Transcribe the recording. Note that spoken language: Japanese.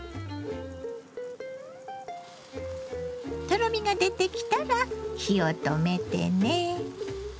とろみが出てきたら火を止めてね。